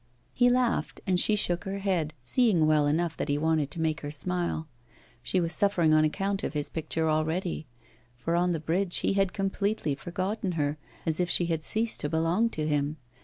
He laughed, and she shook her head, seeing well enough that he wanted to make her smile. She was suffering on account of his picture already; for on the bridge he had completely forgotten her, as if she had ceased to belong to him!